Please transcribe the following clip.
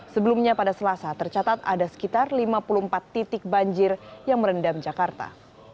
sebelumnya pada selasa tercatat ada sekitar lima puluh empat titik banjir yang merendam jakarta